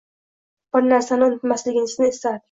Bir narsani unutmasligingizni istardik